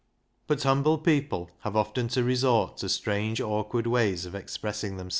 But humble people have often to resort to strange awkward ways of expressing them.